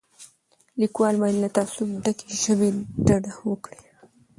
لیکوال باید له تعصب ډکې ژبې ډډه وکړي.